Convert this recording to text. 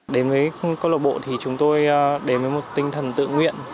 đến với cơ lộ bộ thì chúng tôi đến với một tinh thần tự nguyện